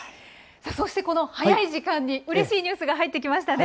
そしてこの早い時間に、うれしいニュースが入ってきましたね。